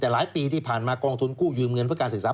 แต่หลายปีที่ผ่านมากองทุนกู้ยืมเงินเพื่อการศึกษา